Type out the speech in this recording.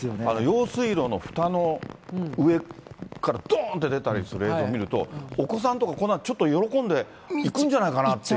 用水路のふたの上からどーんって出たりする映像出たりすると、お子さんとか、こんなちょっと喜んで行くんじゃないかなっていう。